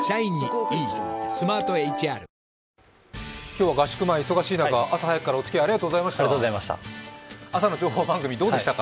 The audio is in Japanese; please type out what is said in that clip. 今日は合宿前、朝早くからお付き合いありがとうございました。